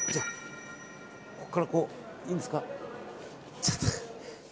ここからこう、いいですか？